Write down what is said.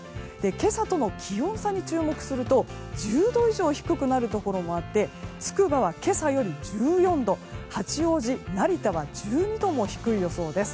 今朝との気温差に注目すると１０度以上低くなるところもあってつくばは今朝より１４度八王子、成田は１２度も低い予想です。